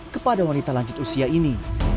kepada wanita lanjut usia ini